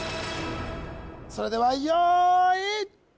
それでは用意